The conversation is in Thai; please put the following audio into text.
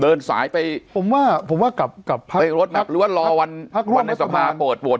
เดินสายไปโรงพยาบาลหรือรอวันในสกราคาเปิดโจทย์๕วัน